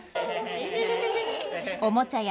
おもちゃや